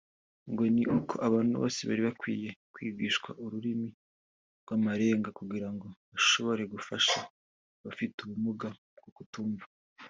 ngo ni uko abantu bose bari bakwiye kwigishwa ururimi rw’amarenga kugirango bashobore gufasha abafite ubumuga bwo kutumva